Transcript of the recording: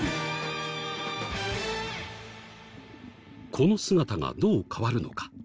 この姿がどう変わるのか。